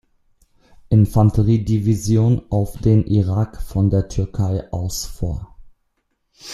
Infanteriedivision auf den Irak von der Türkei aus vor.